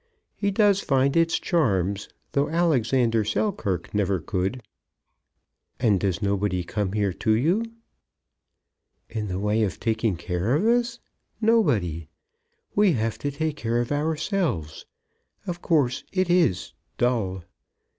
He does find its charms, though Alexander Selkirk never could." "And does nobody come here to you?" "In the way of taking care of us? Nobody! We have to take care of ourselves. Of course it is dull.